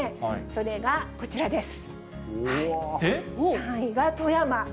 それがこちらです。